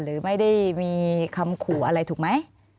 หรือไม่ได้มีคำขู่อะไรถูกไหม